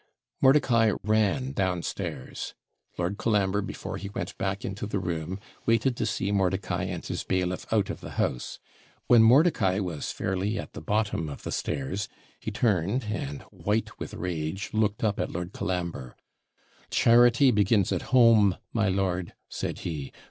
Mordicai ran downstairs; Lord Colambre, before he went back into the room, waited to see Mordicai and his bailiff out of the house. When Mordicai was fairly at the bottom of the stairs, he turned, and, white with rage, looked up at Lord Colambre. 'Charity begins at home, my lord,' said he.